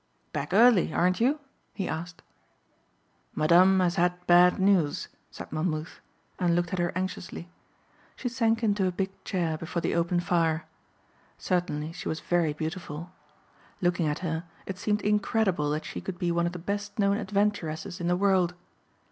"Back early, aren't you?" he asked. "Madame has had bad news," said Monmouth and looked at her anxiously. She sank into a big chair before the open fire. Certainly she was very beautiful. Looking at her it seemed incredible that she could be one of the best known adventuresses in the world.